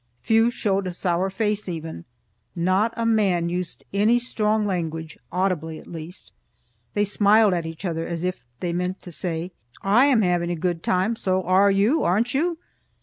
Few showed a sour face even; not a man used any strong language (audibly, at least). They smiled at each other as if they meant to say, "I am having a good time; so are you, aren't you?"